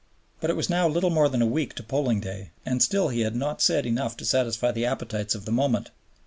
But it was now little more than a week to Polling Day, and still he had not said enough to satisfy the appetites of the moment.